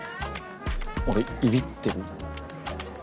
俺いびってる？